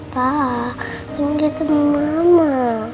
pak pengen ketemu mama